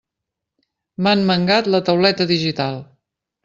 M'han mangat la tauleta digital!